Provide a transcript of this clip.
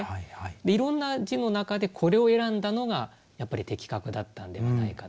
いろんな字の中でこれを選んだのがやっぱり的確だったんではないかと。